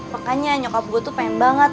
makanya nyokap gue tuh pengen banget